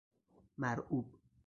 مرعوب